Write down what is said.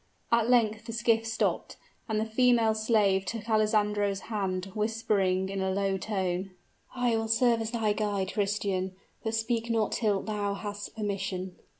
At length the skiff stopped, and the female slave took Alessandro's hand, whispering in a low tone, "I will serve as thy guide, Christian; but speak not till thou hast permission."